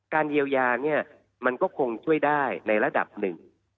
เยียวยาเนี่ยมันก็คงช่วยได้ในระดับหนึ่ง